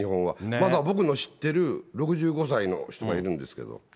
まだ僕の知ってる６５歳の人がいるんですけれども。